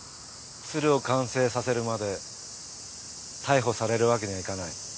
鶴を完成させるまで逮捕されるわけにはいかない。